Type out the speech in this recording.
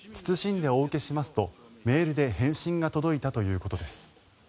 謹んでお受けしますとメールで返信が届いたということです。